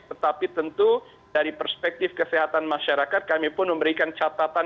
tetapi tentu dari perspektif kesehatan masyarakat kami pun memberikan catatan